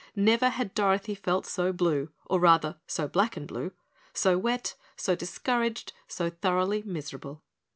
Never had Dorothy felt so blue, or rather so black and blue so wet, so discouraged, so thoroughly miserable!